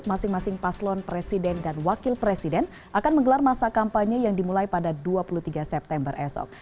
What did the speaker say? masing masing paslon presiden dan wakil presiden akan menggelar masa kampanye yang dimulai pada dua puluh tiga september esok